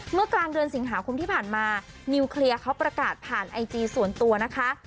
เมื่อกลางเดือนสิงหาคมที่ผ่านมานิวเคลียร์เขาประกาศผ่านไอจีส่วนตัวนะคะ